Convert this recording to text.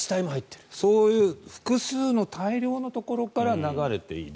そういう複数の大量のところから流れている。